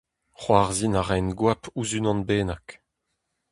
C'hoarzhin a raen goap ouzh unan bennak.